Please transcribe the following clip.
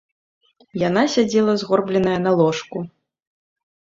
Яна сядзела згорбленая на ложку.